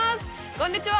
こんにちは！